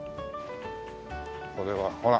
これはほら。